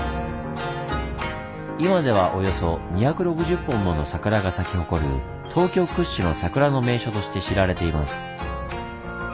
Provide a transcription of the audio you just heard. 今ではおよそ２６０本もの桜が咲き誇る東京屈指の桜の名所として知られています。